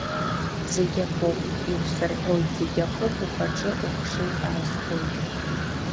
Загьакоуп иусырҳәоит, загьакоуп ухаҿы ухшыҩ аазгоит.